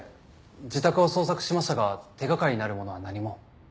自宅を捜索しましたが手がかりになるものは何も。